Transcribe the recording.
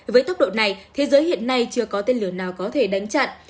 với tốc độ này thế giới hiện nay chưa có tên lửa nào có thể đánh chặn